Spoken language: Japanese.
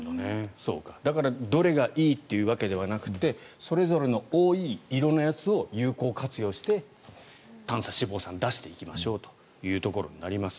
だから、どれがいいというわけではなくてそれぞれの多い色のやつを有効活用して短鎖脂肪酸出していきましょうということです。